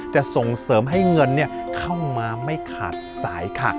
จะส่งเสริมให้เงินเข้ามาไม่ขาดสายค่ะ